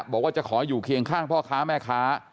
บอกว่าจะขออยู่เคียงข้างพ่อค้าแม่ค้า